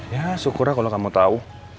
ya syukurlah kalau kamu tau